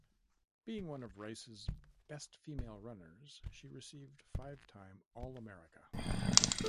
Being one of Rice's best female runners she received five time All America.